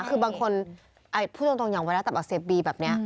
คือบางคนพูดตรงอย่างไวรัสตับอักเสบบีแบบนี้